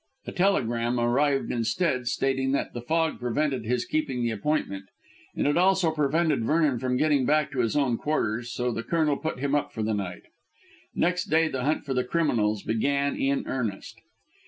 A telegram arrived instead stating that the fog prevented his keeping the appointment. And it also prevented Vernon getting back to his own quarters, so the Colonel put him up for the night. Next day the hunt for the criminals began in earnest.